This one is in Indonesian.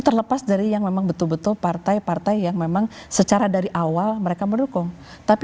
terlepas dari yang memang betul betul partai partai yang memang secara dari awal mereka mendukung tapi